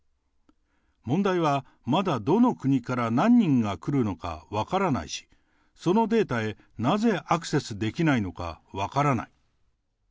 問題はまだどの国から何人が来るのか分からないし、そのデータへなぜアクセスできないのか分からない。